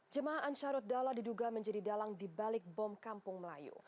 jemaah ansaruddala diduga menjadi dalang di balik bom kampung melayu